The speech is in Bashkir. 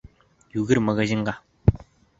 Йүгер магазинға!